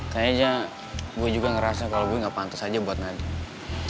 kayaknya aja gue juga ngerasa kalau gue gak pantas aja buat nadiem